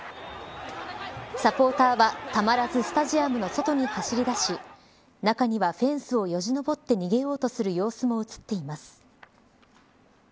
サポーターは、たまらずスタジアムの外に走り出し中にはフェンスをよじ登って逃げようとする様子も映っています。